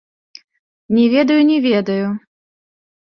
Не ведаю, не ведаю.